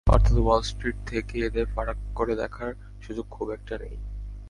অর্থাৎ Wall Street থেকে এদের ফারাক করে দেখার সুযোগ খুব একটা নেই।